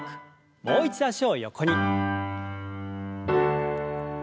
もう一度脚を横に。